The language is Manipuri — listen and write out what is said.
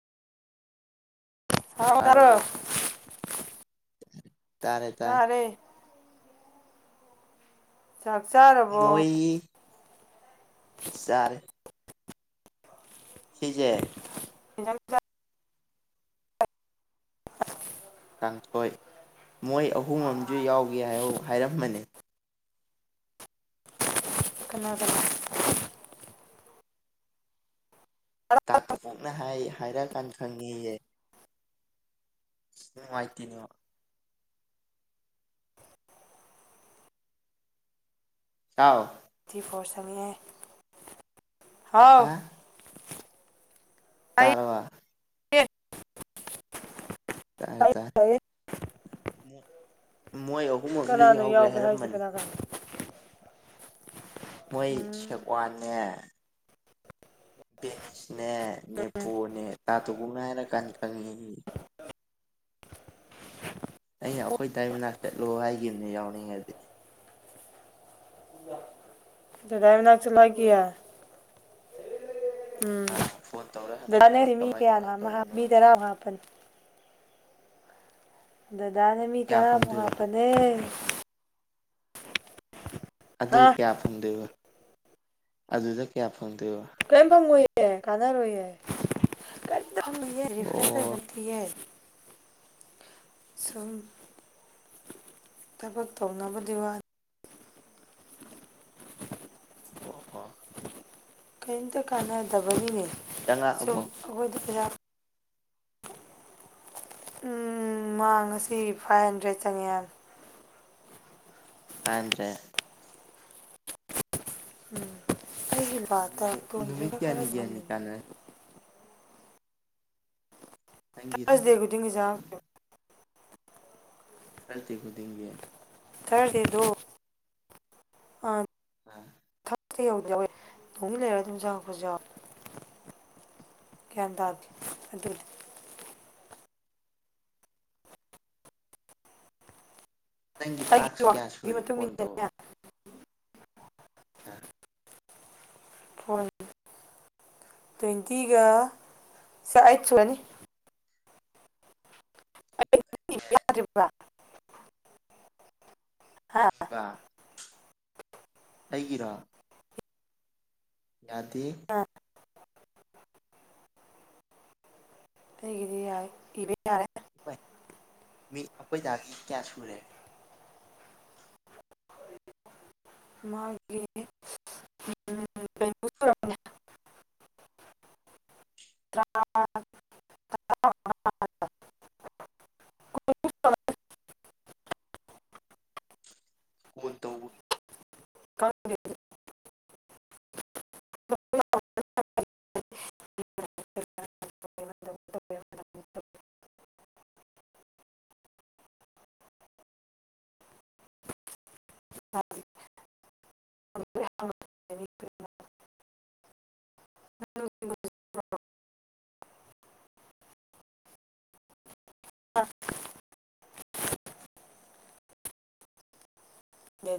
ꯍꯥꯎ ꯇꯔꯣ ꯇꯥꯔꯕꯣ ꯇꯥꯔꯦ ꯇꯥꯔꯦ ꯆꯥꯛ ꯆꯥꯔꯕꯣ ꯆꯔꯦ ꯁꯤꯖꯦ [inaudible] [inaudible] ꯇꯥꯡꯁꯣꯏ ꯃꯣꯏ ꯑꯍꯨꯝ ꯑꯃꯁꯝꯨ ꯌꯥꯎꯒꯦ ꯍꯥꯏꯔꯝꯃꯅꯤ ꯀꯅꯥ ꯀꯅꯥ ꯇꯥ ꯇꯨ ꯀꯣꯛꯅ ꯍꯥꯏ ꯍꯥꯏꯔꯛꯑꯀꯥꯟꯗ ꯈꯪꯉꯤꯍꯦ ꯍꯉꯥꯏꯇꯅꯤ ꯆꯥꯎꯥꯎ ꯐꯁꯉꯦ ꯍꯥꯎ ꯇꯔꯋꯥ ꯑꯦ ꯇꯥꯏ ꯇ ꯃꯣꯏ ꯑꯍꯨꯝ ꯑꯨꯝꯗ ꯌꯥ ꯀꯅꯥꯅꯣ ꯍꯧꯒꯦ ꯌꯥꯎꯒꯦ ꯍꯥꯏꯁꯦ ꯍꯥꯏꯔꯝꯕꯅꯤ ꯀꯅꯥ ꯀꯅꯥ ꯃꯣꯏ ꯎꯝ ꯁꯦꯒꯋꯥꯅꯦ ꯕꯦꯅꯤꯁꯅꯦ ꯎꯝ ꯅꯦꯄꯣꯜꯅꯦ ꯇꯥꯇꯣ ꯨꯝꯃꯦꯅ ꯍꯥꯏꯅ ꯀꯅꯤ ꯑꯩꯅ ꯑꯩꯈꯣꯏ ꯇꯥꯏꯃꯤꯅꯥ ꯆꯠꯂꯣ ꯍꯥꯏꯒꯤꯈꯤꯕꯅꯤ ꯌꯥꯎꯅꯤꯡꯉꯗꯤ ꯗꯥꯥꯏꯃꯤꯅꯥ ꯆꯂ ꯀꯌꯥ ꯑꯥ ꯐꯣꯟ ꯇꯧꯔ ꯍꯪꯉꯛꯏꯕ ꯎꯝꯅꯗꯤ ꯃꯤ ꯀꯃꯥꯏ ꯀꯌꯥꯅꯣ ꯀꯃꯥꯏ ꯍꯥ ꯇꯧꯕꯅꯣ ꯃꯤꯗꯔꯥꯥꯎ ꯍꯥꯞꯄꯅꯤ ꯗꯗꯥꯅ ꯃꯤ ꯀꯌꯥ ꯇꯔꯥꯃꯨꯛ ꯐꯪꯗꯣꯏꯕ ꯍꯥꯞꯄꯅꯦ ꯑꯗꯨ ꯍꯥ ꯀꯌꯥ ꯐꯪꯗꯦꯕ ꯑꯗꯨꯗ ꯀꯌꯥ ꯐꯪꯗꯦꯕ ꯀꯔꯤꯄꯝ ꯑꯣꯏꯦ ꯀꯅꯔ ꯑꯣꯏꯌꯦꯦ ꯑꯣ ꯔꯔꯤꯐ꯭ꯔꯦꯁꯔꯕꯇ ꯁꯨꯝ ꯊꯕꯛ ꯇꯧꯅꯕꯗꯤ ꯋꯥꯅꯤ ꯑꯣ ꯑ ꯀꯔꯤꯝꯇ ꯀꯥꯟꯅꯗꯕꯒꯤꯅꯦ ꯁꯨꯝ ꯆꯪꯉꯛꯑꯕꯣ ꯑꯩꯈꯣꯏꯗ ꯍꯤꯗꯥꯛ ꯎꯝ ꯃꯥ ꯉꯁꯤ ꯐꯥꯏꯚ ꯍꯟꯗ꯭ꯔꯦꯗ ꯆꯪꯉꯦ ꯑꯗ꯭ꯔꯦ ꯎꯝ ꯑꯩꯒꯤ ꯄꯥꯠꯇ ꯅꯨꯃꯤꯠ ꯇꯣꯟꯗ꯭ꯔꯒ ꯀꯌꯥꯅꯤ ꯈꯔꯁꯨ ꯀꯌꯥꯅꯤ ꯉꯝꯃꯤꯉ ꯀꯥꯟꯅ ꯅꯪꯒꯤ ꯊꯥꯔꯁ ꯗꯦ ꯈꯨꯨꯗꯤꯡ ꯖꯥꯡ ꯀꯜꯇ ꯀꯨꯗꯤꯦ ꯈꯔꯗꯦ ꯑꯗꯨ ꯑ ꯌꯧ ꯌꯥꯎꯋꯦ ꯅꯣꯡꯃꯤ ꯂꯩꯔ ꯑꯗꯨꯝꯖꯄꯖ ꯒ꯭ꯌꯥꯟ ꯇꯔ ꯑꯗꯨ ꯅꯪꯒꯤ ꯑꯩꯒꯤ ꯇꯥꯛꯁ ꯀꯌꯥ ꯋꯥꯈꯜꯒꯤ ꯁꯨꯔꯦ ꯃꯇꯨꯡ ꯀꯣꯟ ꯇꯧꯕ ꯏꯟꯅꯅꯦ ꯐꯣꯔꯅꯤ ꯇ꯭ꯋꯦꯟꯇꯤꯒ ꯁ ꯑꯩꯠ ꯁꯨꯨꯔꯅꯤ ꯑꯩ ꯇꯧꯕ ꯌꯥꯗ꯭ꯔꯤꯕ꯭ꯔꯥ ꯍꯥ [inaudible] [inaudible] ꯇꯒꯔꯥ ꯌꯥꯗꯦ ꯑꯥ ꯑꯩꯒꯤꯗꯤ ꯏꯕ ꯌꯥꯔꯦ ꯃꯤ ꯑꯩꯣꯏ ꯊ ꯀꯌꯥ ꯁꯨꯔꯦ ꯃꯥꯒꯤꯦ ꯎꯝꯨꯔꯅꯤꯥ [inaudible] ꯐꯣꯟ ꯇꯧꯕ꯫ [unintelligible] [unintelligible]